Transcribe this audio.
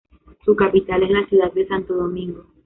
Su capital es la ciudad de Santo Domingo.